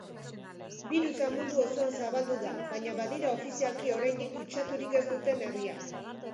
Birusa mundu osoan zabaldu da baina badira ofizialki oraindik kutsaturik ez duten herriak.